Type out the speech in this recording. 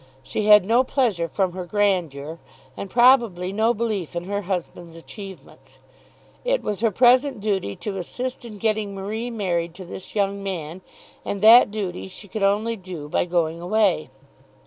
She had no pleasure from her grandeur, and probably no belief in her husband's achievements. It was her present duty to assist in getting Marie married to this young man, and that duty she could only do by going away.